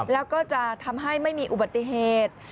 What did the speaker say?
แล้วก็จะทำให้ไม่มีอุบัติเหตุ